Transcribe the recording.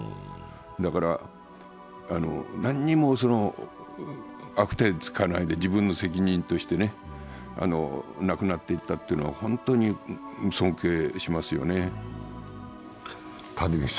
だから、何も悪態つかないで、自分の責任として亡くなっていったというのは本当に尊敬しますよね。